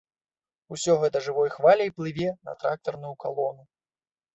Усё гэта жывой хваляй плыве на трактарную калону.